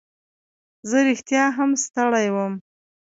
زه رښتیا هم ستړی وم.